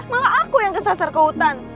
malah aku yang kesasar ke hutan